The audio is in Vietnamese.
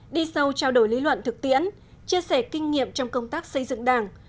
đi sâu trao đổi lý luận thực tiễn chia sẻ kinh nghiệm trong công tác xây dựng đảng